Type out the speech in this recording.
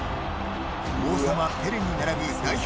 王様・ペレに並ぶ代表